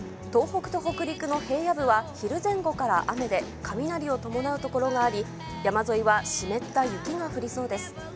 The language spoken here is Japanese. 東北と北陸の平野部は昼前後から雨で、雷を伴う所があり、山沿いは湿った雪が降りそうです。